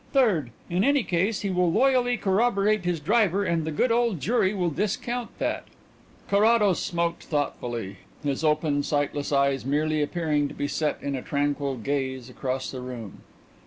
Third, in any case he will loyally corroborate his driver and the good old jury will discount that." Carrados smoked thoughtfully, his open, sightless eyes merely appearing to be set in a tranquil gaze across the room.